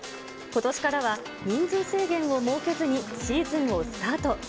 ことしからは、人数制限を設けずにシーズンをスタート。